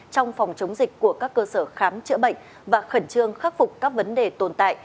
trong phòng chống dịch của các cơ sở khám chữa bệnh và khẩn trương khắc phục các vấn đề tồn tại